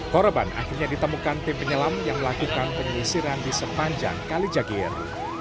korban akhirnya ditemukan tim penyelam yang melakukan penyisiran di sepanjang kalijagir